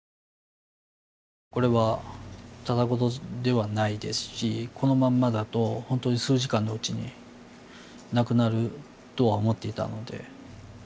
これはただごとではないですしこのまんまだとほんとに数時間のうちに亡くなるとは思っていたので。